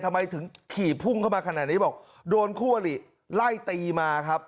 ทำไมถึงขี่พุ่งเข้ามาขนาดนี้บอกโดนคู่อลิไล่ตีมาครับ